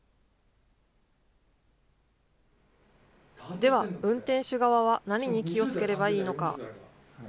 では運転手側は何に気をつければいいのか。